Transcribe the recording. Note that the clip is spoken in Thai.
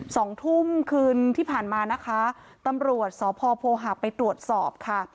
สองทุ่มคืนที่ผ่านมานะคะตำรวจสพโพหักไปตรวจสอบค่ะ